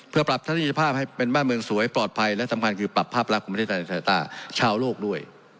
เพื่อปรับทัศนียภาพให้เป็นบ้านเมืองสวยปลอดภัยและสำคัญคือปรับภาพลักษณ์ของประเทศไทยสายตาชาวโลกด้วย